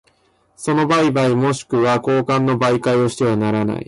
その売買若しくは交換の媒介をしてはならない。